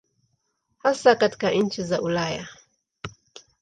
Hasa katika nchi za Ulaya.